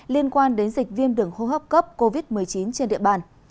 liên quan đến dịch viêm đường hô hấp cấp covid một mươi chín trên địa bàn